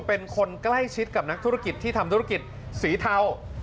เป็นคนใกล้ชิดกับนักธุรกิจที่ทำธุรกิจสีเทา